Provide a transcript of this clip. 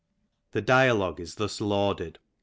The dialogue is thus lauded.